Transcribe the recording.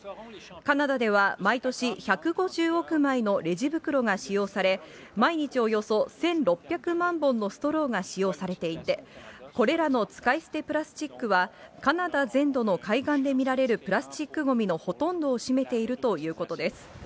カナダでは毎年、１５０億枚のレジ袋が使用され、毎日およそ１６００万本のストローが使用されていて、これらの使い捨てプラスチックは、カナダ全土の海岸で見られるプラスチックごみのほとんどを占めているということです。